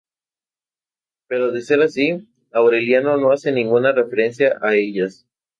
Pero de ser así, Aureliano no hace ninguna referencia a ellas.